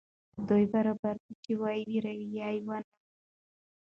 په دوى برابره ده چي وئې وېروې يا ئې ونه وېروې